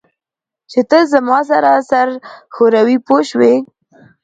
چې تل زما سره سر ښوروي پوه شوې!.